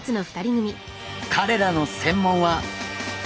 かれらの専門は。